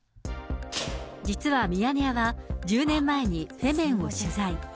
実はミヤネ屋は、１０年前にフェメンを取材。